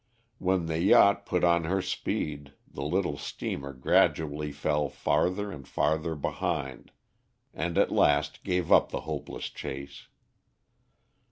When the yacht put on her speed the little steamer gradually fell farther and farther behind, and at last gave up the hopeless chase.